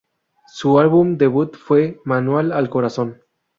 Su álbum debut fue "Manual al corazón".